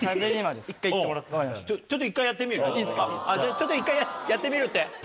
ちょっと１回やってみるって。